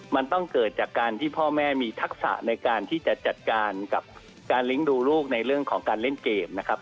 มันต้องเกิดจากการที่พ่อแม่มีทักษะในการที่จะจัดการกับการเลี้ยงดูลูกในเรื่องของการเล่นเกมนะครับ